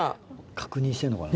確認してるのかな。